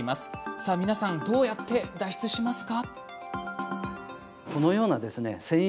さあ、皆さんどうやって脱出しますか？